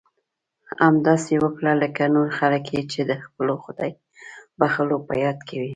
همداسې وکړه لکه نور خلک یې چې د خپلو خدای بښلو په یاد کوي.